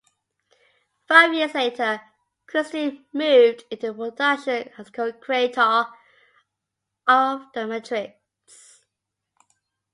Five years later, Christy moved into production as co-creator of The Matrix.